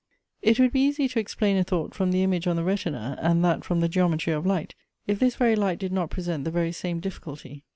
It would be easy to explain a thought from the image on the retina, and that from the geometry of light, if this very light did not present the very same difficulty.